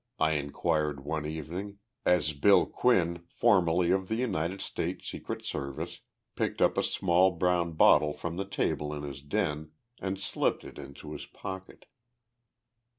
I inquired one evening, as Bill Quinn, formerly of the United States Secret Service, picked up a small brown bottle from the table in his den and slipped it into his pocket.